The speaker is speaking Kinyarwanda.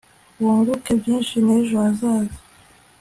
wunguke byinshi n'ejo hazaza